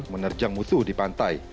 menerjang musuh di pantai